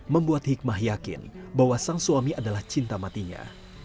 membuat hikmah yakin bahwa sang suami adalah cinta matinya